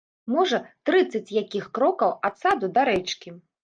Можа, трыццаць якіх крокаў ад саду да рэчкі.